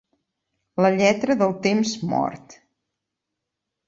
La lletra del temps mort.